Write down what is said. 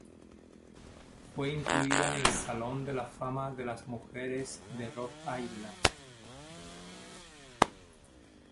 Fue incluida en el Salón de la fama de las mujeres de Rhode Island.